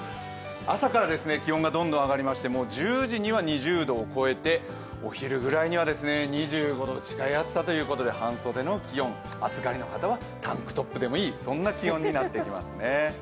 朝から気温がどんどん上がりまして、１０時には２０度を超えて、お昼ごろには２５度近いということで半袖の気温、暑がりの方はタンクトップでもいいそんな気温になっていますね。